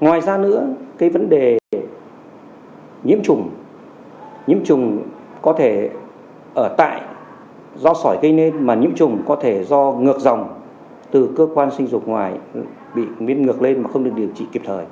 ngoài ra nữa cái vấn đề nhiễm trùng nhiễm trùng có thể ở tại do sỏi gây nên mà nhiễm trùng có thể do ngược dòng từ cơ quan sinh dục ngoài bị biến ngược lên mà không được điều trị kịp thời